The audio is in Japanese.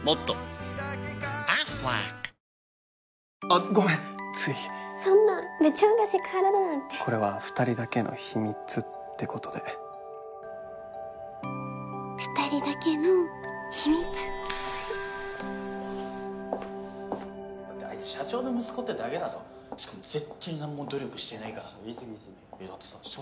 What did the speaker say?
あっごめんついそんな部長がセクハラだなんてこれは２人だけの秘密ってことで２人だけの秘密だってあいつ社長の息子ってだけだぞしかも絶対何も努力してないから言いすぎ言いすぎだってさ